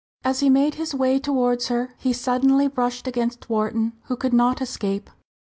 As he made his way towards her, he suddenly brushed against Wharton, who could not escape.